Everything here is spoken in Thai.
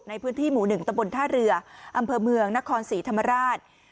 ในพื้นที่หมู่๑ตะบนท่าเรืออำเภอเมืองนครศรีธรรมราช